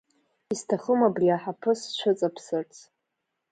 Исҭахым абри аҳаԥы сцәыҵаԥсырц…